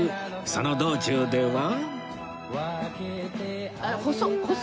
その道中では